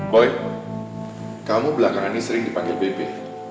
koi kamu belakangan ini sering dipanggil bebe